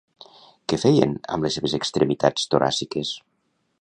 Què feien amb les seves extremitats toràciques?